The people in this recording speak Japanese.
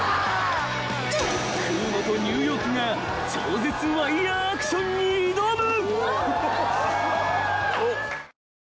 ［風磨とニューヨークが超絶ワイヤアクションに挑む］